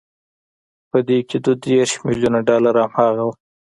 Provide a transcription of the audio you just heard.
په دې کې دوه دېرش ميليونه ډالر هماغه وو.